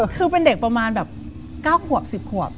คือเป็นเด็กประมาณแบบ๙ขวบ๑๐ขวบ